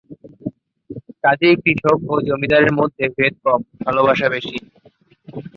কাজেই কৃষক ও জমিদারের মধ্যে ভেদ কম, ভালোবাসা বেশি।